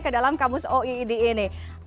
kedalam kamus oid ini